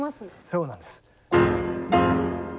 そうなんです。